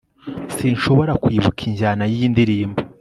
sinshobora kwibuka injyana yiyi ndirimbo